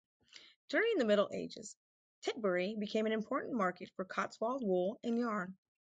During the Middle Ages, Tetbury became an important market for Cotswold wool and yarn.